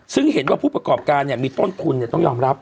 ซึ่งเห็นว่าผู้ประกอบการมีต้นทุนต้องยอมรับ